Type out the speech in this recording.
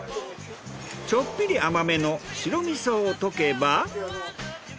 ちょっぴり甘めの白味噌をとけば。